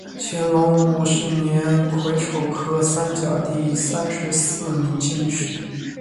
乾隆五十八年癸丑科三甲第三十四名进士。